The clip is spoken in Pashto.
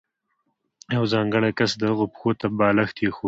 یو ځانګړی کس د هغه پښو ته بالښت ایښوده.